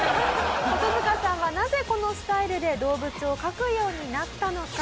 コトヅカさんはなぜこのスタイルで動物を描くようになったのか？